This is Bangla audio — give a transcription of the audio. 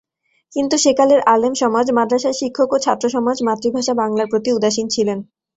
কিন্তু সেকালের আলেমসমাজ, মাদ্রাসার শিক্ষক ও ছাত্রসমাজ মাতৃভাষা বাংলার প্রতি উদাসীন ছিলেন।